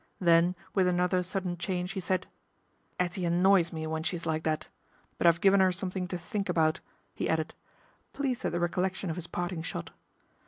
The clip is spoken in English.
Then with another sud den change he said, " 'Ettie annoys me when she's like that ; but I've given 'er something to think about," he added, pleased at the recollection of his parting shot.